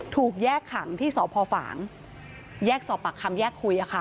ถูกแยกขังที่สพฝางแยกสอบปากคำแยกคุย